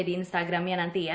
di instagramnya nanti ya